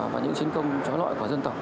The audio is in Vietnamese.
và những chiến công chó lọi của dân tộc